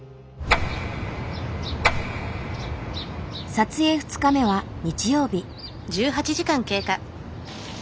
撮影２日目は日曜日。